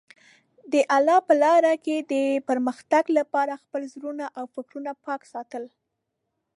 د الله په لاره کې د پرمختګ لپاره خپل زړه او فکرونه پاک ساتل.